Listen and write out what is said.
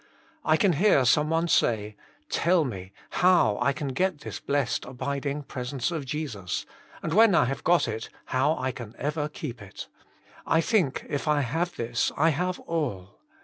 I can hear some one say, *«Tell me how I can get this blessed abiding presence of Jesus ; and when I have got it, how I can ever keep it. I think if I have »this, I have all.